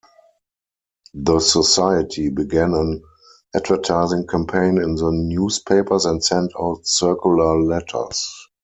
The society began an advertising campaign in the newspapers and sent out circular letters.